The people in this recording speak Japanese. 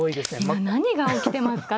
今何が起きてますか。